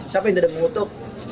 siapa yang tidak mengutuk